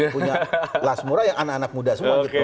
punya las mura yang anak anak muda semua